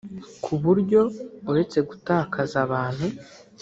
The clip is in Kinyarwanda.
ku buryo uretse gutakaza abantu